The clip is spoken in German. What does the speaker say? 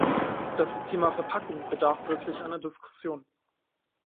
Das Thema Verpackung bedarf wirklich einer Diskussion.